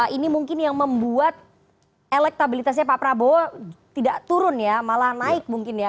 ini mungkin yang membuat elektabilitasnya pak prabowo tidak turun ya malah naik mungkin ya